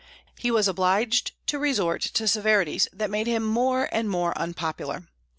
He was obliged to resort to severities that made him more and more unpopular.